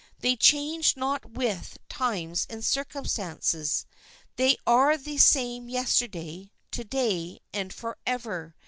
They change not with times and circumstances. They are the same yesterday, to day, and forever.